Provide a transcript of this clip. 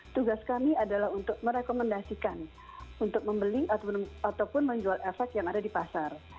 tugas kami adalah untuk merekomendasikan untuk membeli ataupun menjual efek yang ada di pasar